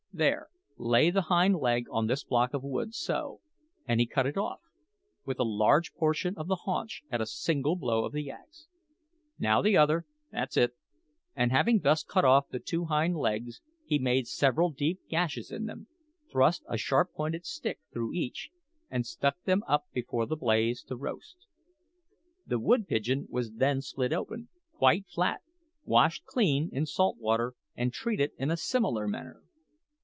There, lay the hind leg on this block of wood so;" and he cut it off; with a large portion of the haunch, at a single blow of the axe. "Now the other that's it." And having thus cut off the two hind legs, he made several deep gashes in them, thrust a sharp pointed stick through each, and stuck them up before the blaze to roast. The wood pigeon was then split open, quite flat, washed clean in salt water, and treated in a similar manner.